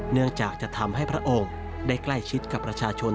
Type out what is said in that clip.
เนื่องจากจะทำให้พระองค์ได้ใกล้ชิดกับประชาชน